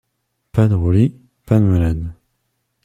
Pas de roulis, pas de malades.